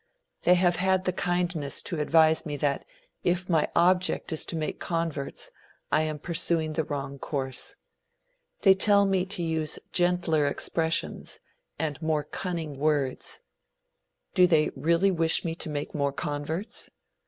They have had the kindness to advise me that, if my object is to make converts, I am pursuing the wrong course. They tell me to use gentler expressions, and more cunning words. Do they really wish me to make more converts?